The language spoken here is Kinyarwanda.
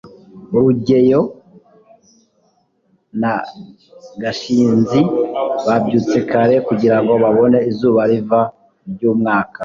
rugeyo na gashinzi babyutse kare kugirango babone izuba riva ryumwaka